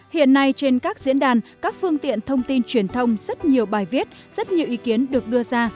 hiện nay trên các diễn đàn các phương tiện thông tin truyền thông rất nhiều bài viết rất nhiều ý kiến được đưa ra